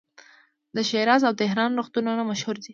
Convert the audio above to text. د شیراز او تهران روغتونونه مشهور دي.